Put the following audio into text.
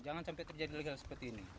jangan sampai terjadi lagi hal seperti ini